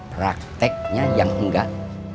prakteknya yang enggak